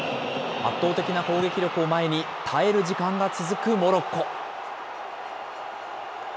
圧倒的な攻撃力を前に耐える時間が続くモロッコ。